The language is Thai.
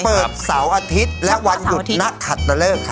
เสาร์อาทิตย์และวันหยุดนักขัดตะเลิกค่ะ